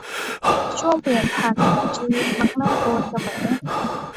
ช่วงเปลี่ยนผ่านของชีวิตมักน่ากลัวเสมอ